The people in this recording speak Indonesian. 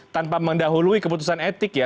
tanpa mendahului keputusan etik ya